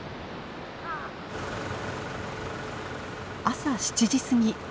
朝７時過ぎ。